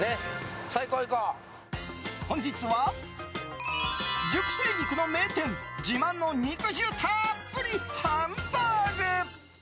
本日は、熟成肉の名店自慢の肉汁たっぷりハンバーグ。